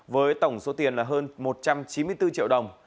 với tổng số tiền là hơn một trăm chín mươi bốn triệu đồng